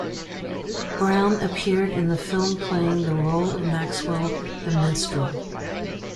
Browne appeared in the film playing the role of Maxwell The Minstrel.